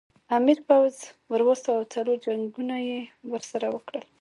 امیر پوځ ور واستاوه او څلور جنګونه یې ورسره وکړل.